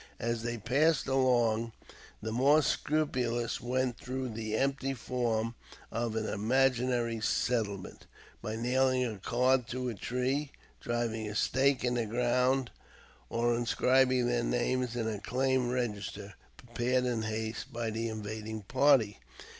As they passed along, the more scrupulous went through the empty form of an imaginary settlement, by nailing a card to a tree, driving a stake into the ground, or inscribing their names in a claim register, prepared in haste by the invading party.